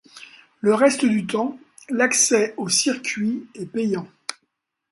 Le reste du temps, l'accès au circuit est payant.